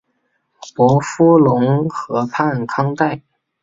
伯夫龙河畔康代。